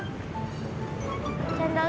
gila ini udah berhasil